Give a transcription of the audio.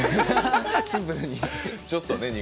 シンプルに。